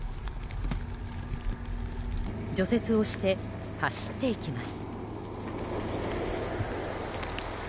除雪をして走っていきます。